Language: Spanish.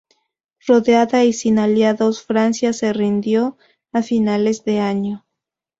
Rodeada y sin aliados, Francia se rindió a finales de año.